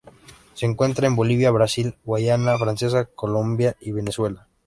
Se encuentra en Bolivia, Brasil, Guayana Francesa, Colombia y Venezuela.